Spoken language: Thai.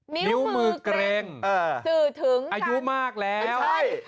นิ้วมือเกร็งสื่อถึงอายุมากแล้วใช่